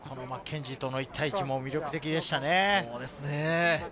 マッケンジーとの１対１も魅力的でしたね。